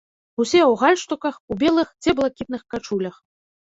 Усе ў гальштуках, у белых ці блакітных кашулях.